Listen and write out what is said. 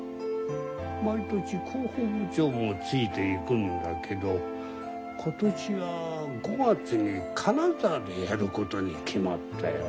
毎年広報部長もついていくんだけど今年は５月に金沢でやることに決まったよ。